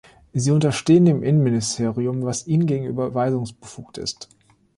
Sie unterstehen dem Innenministerium, das ihnen gegenüber weisungsbefugt ist.